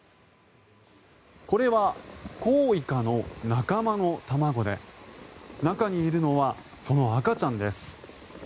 これはコウイカの仲間の卵で中にいるのはその赤ちゃんです。